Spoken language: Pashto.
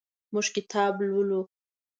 موږ کتاب لولو.